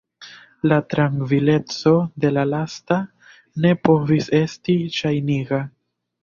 La trankvileco de la lasta ne povis esti ŝajniga.